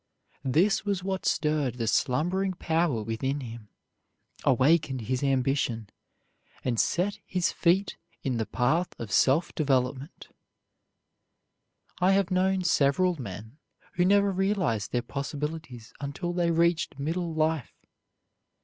This was what stirred the slumbering power within him, awakened his ambition, and set his feet in the path of self development. I have known several men who never realized their possibilities until they reached middle life.